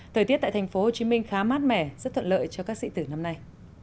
thời tiết tại tp hcm khá mát mẻ rất thuận lợi cho các sĩ tử năm nay